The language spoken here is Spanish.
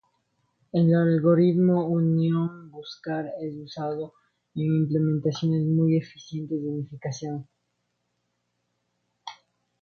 El algoritmo Unión-Buscar es usado en implementaciones muy eficientes de Unificación.